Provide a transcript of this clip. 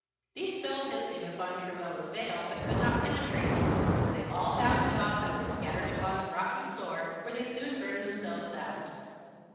These fell hissing upon Truella's veil, but could not penetrate it, for they all bounded off and were scattered upon the rocky floor, where they soon burned themselves out.